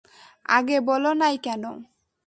আগে বলো নাই কেন?